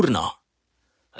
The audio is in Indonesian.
mengapa kau tidak menikah